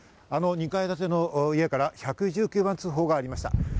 あの２階建ての家から１１９番通報がありました。